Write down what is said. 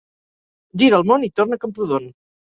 Gira el món i torna a Camprodon.